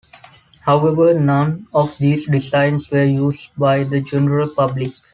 However, none of these designs were used by the general public.